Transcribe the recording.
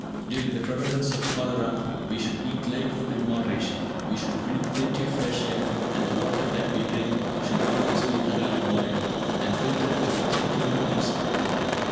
During the prevalence of cholera, we should eat light food in moderation. We should breathe plenty of fresh air; and the water that we drink should always be thoroughly boiled, and filtered with a thick clean piece of cloth.